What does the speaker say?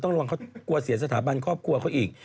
ระวังเขากลัวเสียสถาบันครอบครัวเขาอีก